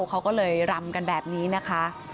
เขาก็เลยรำกันแบบนี้นะคะ